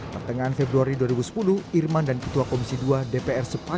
pertengahan februari dua ribu sepuluh irman dan ketua komisi dua dpr sepakat